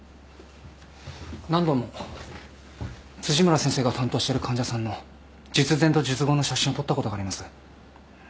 何度も辻村先生が担当してる患者さんの術前と術後の写真を撮ったことがあります。